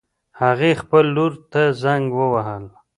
هغې خپل لور ته زنګ ووهله